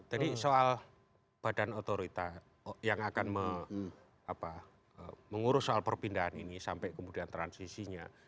tadi soal badan otorita yang akan mengurus soal perpindahan ini sampai kemudian transisinya